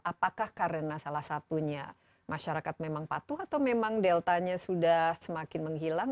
apakah karena salah satunya masyarakat memang patuh atau memang deltanya sudah semakin menghilang